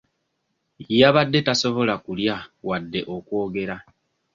Yabadde tasobola kulya wadde okwogera.